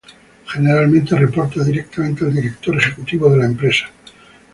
Generalmente reporta directamente al director ejecutivo de la empresa.